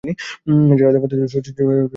যারা দেবতাদের "সুর" গোষ্ঠীর থেকে পৃথক ছিল।